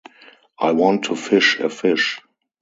I want to fish a fish.